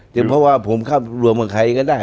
แต่เพราะว่าผมเข้ารวมกับใครก็ได้